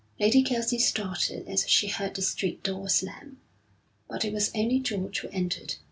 Lady Kelsey started as she heard the street door slam. But it was only George who entered.